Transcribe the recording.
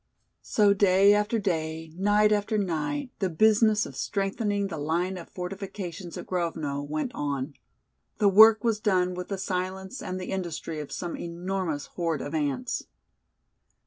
So day after day, night after night the business of strengthening the line of fortifications at Grovno went on. The work was done with the silence and the industry of some enormous horde of ants.